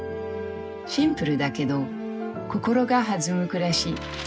シンプルだけど心が弾む暮らし。